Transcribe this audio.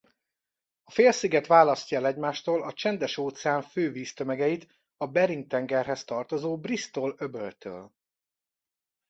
A félsziget választja el egymástól a Csendes-óceán fő víztömegeit a Bering-tengerhez tartozó Bristol-öböltől.